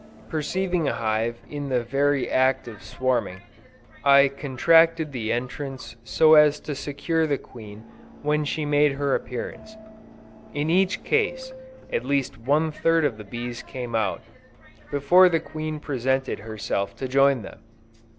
Perceiving a hive in the very act of swarming, I contracted the entrance so as to secure the queen when she made her appearance. In each case, at least one third of the bees came out, before the queen presented herself to join them.